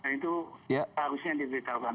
hal itu harusnya diberitahukan